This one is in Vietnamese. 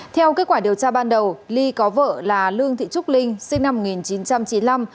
theo kết quả điều tra ban đầu ly có vợ là lương thị trúc linh sinh năm một nghìn chín trăm chín mươi năm